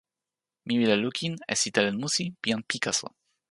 mi wile lukin e sitelen musi pi jan Pikaso.